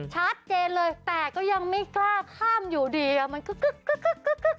ชัดเจนเลยแต่ก็ยังไม่กล้าข้ามอยู่ดีมันก็กึ๊ก